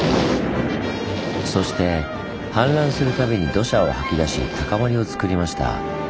そして氾濫する度に土砂を吐き出し高まりをつくりました。